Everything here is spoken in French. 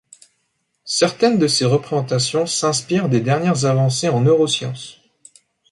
Certaines de ces représentations s’inspirent des dernières avancées en neuroscience.